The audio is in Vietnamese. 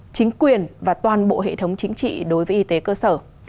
chính quyền và toàn bộ hệ thống chính trị đối với y tế cơ sở